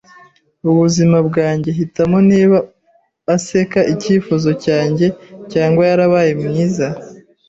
ubuzima bwanjye, hitamo niba aseka icyifuzo cyanjye cyangwa yarabaye mwiza